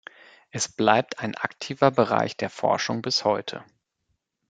Es bleibt ein aktiver Bereich der Forschung bis heute.